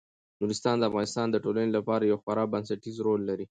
نورستان د افغانستان د ټولنې لپاره یو خورا بنسټيز رول لري.